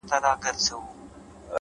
خداى دي ساته له بــېـلــتــــونـــــه ـ